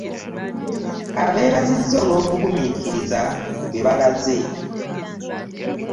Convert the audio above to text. Abeebazizza olwobugumiikiriza bwe balaze